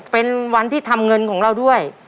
เป็นวันที่ทำเงินของเราด้วย